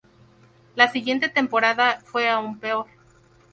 La siguiente temporada fue aún peor.